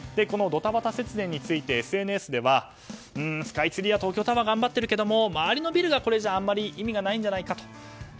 ドタバタ節電についてＳＮＳではスカイツリーや東京タワーは頑張っているけれども周りのビルがこれじゃあまり意味がないんじゃないかと。